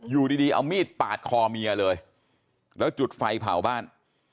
อยู่ดีเอามีดปาดคอเมียเลยแล้วจุดไฟเผาบ้าน